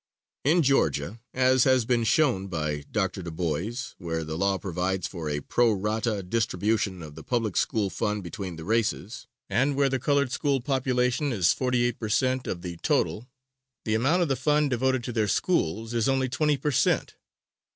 In Georgia, as has been shown by Dr. DuBois, where the law provides for a pro rata distribution of the public school fund between the races, and where the colored school population is 48 per cent. of the total, the amount of the fund devoted to their schools is only 20 per cent.